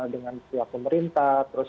dengan pihak pemerintah terus